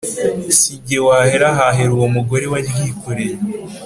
Si jye wahera hahera uwo mugore waryikoreye.